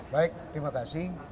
baik terima kasih